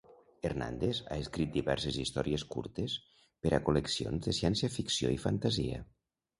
Hernandez ha escrit diverses històries curtes per a col·leccions de ciència-ficció i fantasia.